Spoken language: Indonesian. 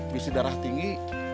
bisa darah tinggi